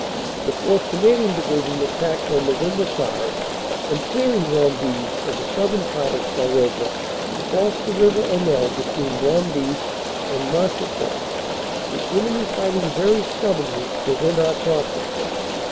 "The 4th. Canadian Division attacked on Nov. 5, and, clearing Rombies and the southern part of Quarouble, crossed the River Aunelle between Rombies and Marchipont, the enemy fighting very stubbornly to prevent our crossing.